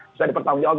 bisa dipertanggung jawab